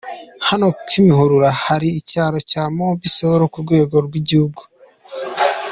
Hano ni Kimihurura ahari icyicaro cya Mobisol ku rwego rw'igihugu.